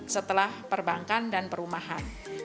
setelah perbankan dan perumahan